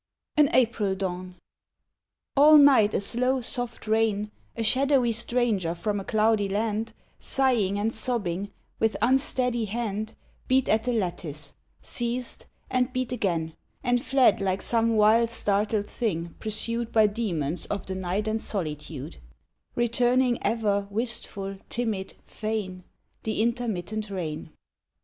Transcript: AN APRIL DAWN. All night a slow soft rain, A shadowy stranger from a cloudy land, Sighing and sobbing, with unsteady hand Beat at the lattice, ceased, and beat again, And fled like some wild startled thing pursued By demons of the night and solitude, Returning ever wistful timid fain The intermittent rain.